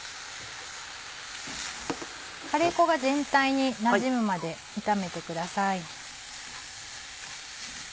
カレー粉が全体になじむまで炒めてください。